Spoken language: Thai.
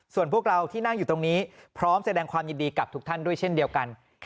ส่วนพวกเราที่นั่งอยู่ตรงนี้พร้อมแสดงความยินดีกับทุกท่านด้วยเช่นเดียวกัน